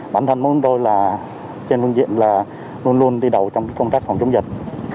bản thân mỗi người tôi trên phương diện luôn luôn đi đầu trong công tác phòng chống dịch